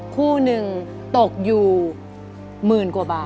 คู่หนึ่งตกอยู่หมื่นกว่าบาท